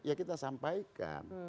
ya kita sampaikan